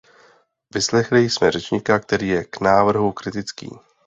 Vyslechli jsme řečníka, který je k návrhu kritický.